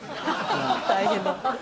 大変だ。